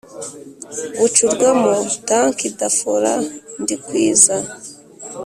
Bucurwamo tanki dafora ndikwiza